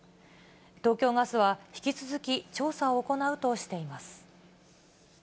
東京ガスは引き続き調査を行うとしています。